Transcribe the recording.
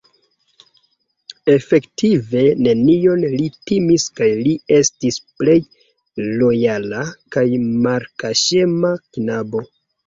Efektive nenion li timis kaj li estis plej lojala kaj malkaŝema knabo.